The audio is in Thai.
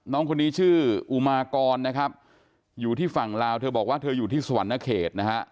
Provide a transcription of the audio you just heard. น้องคนนี้ชื่ออุมากรนะครับอยู่ที่ฝั่งลาวเธอบอกว่าเธออยู่ที่สวรรณเขตนะฮะ